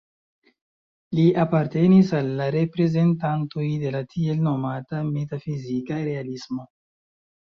Li apartenis al la reprezentantoj de la tiel nomata "metafizika realismo".